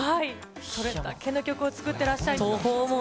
それだけの曲を作ってらっしゃる。